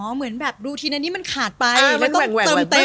อ๋อเหมือนแบบรูทีนอันนี้มันขาดไปมันต้องเติมเต็ม